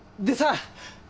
でさ。